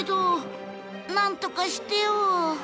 なんとかしてよ。